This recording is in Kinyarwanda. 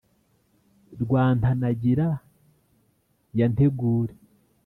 rwa ntanagira ya ntegure